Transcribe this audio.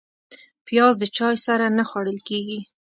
پیاز د چای سره نه خوړل کېږي